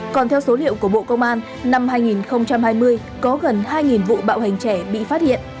còn theo số liệu của bộ công an năm hai nghìn hai mươi có gần hai vụ bạo hành trẻ bị phát hiện